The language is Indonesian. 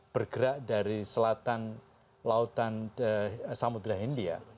bergerak dari selatan lautan samudera india